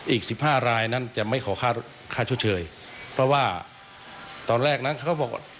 อีกสิบห้ารายนั้นจะไม่ขอค่าชดเชยเพราะว่าตอนแรกนั้นเขาก็บอก